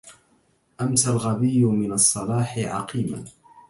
أمسى الغبي من الصلاح عقيما